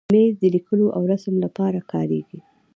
مېز د لیکلو او رسم لپاره کارېږي.